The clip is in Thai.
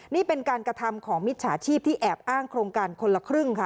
นี่เป็นการกระทำของมิจฉาชีพที่แอบอ้างโครงการคนละครึ่งค่ะ